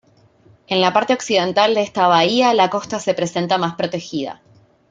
En la parte occidental de esta bahía la costa se presenta más protegida.